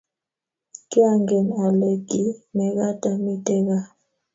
kiangen ale ki mekat amite gaa